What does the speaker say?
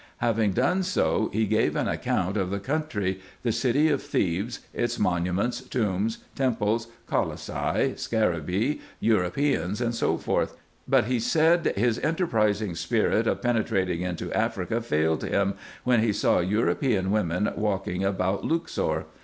Having done so, he gave an account of the country, the city of Thebes, its mo numents, tombs, temples, colossi, scaraba?i, Europeans, &c. But he said his enterprising spirit of penetrating into Africa failed him, when he saw European women walking about Luxor.